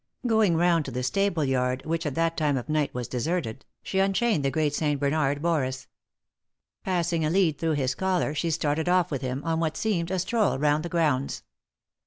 Going round to the stable yard, which, at that time of night was deserted, she unchained the great St. Bernard, Boris. Passing a lead through his collar she started off with him on what seemed a stroll round the grounds.